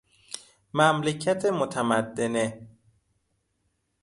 مملکت متمدنه